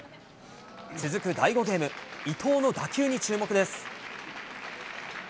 続く第５ゲーム、伊藤の打球に注目です。